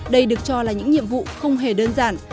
đây được cho là những nhiệm vụ không hề đơn giản